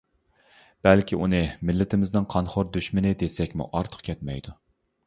بەلكى ئۇنى مىللىتىمىزنىڭ قانخور دۈشمىنى دېسەكمۇ ئارتۇق كەتمەيدۇ.